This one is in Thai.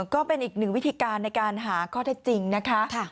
ก็เป็นอีกหนึ่งวิธีการในการหาข้อเท็จจริงนะคะ